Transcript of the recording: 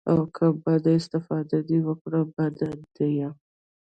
او که بده استفاده دې وکړه بد ديه.